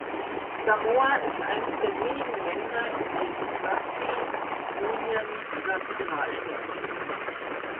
Samoa ist eines der wenigen Länder, in denen Rugby Union Nationalsport ist.